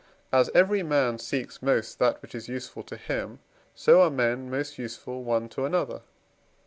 As every man seeks most that which is useful to him, so are men most useful one to another.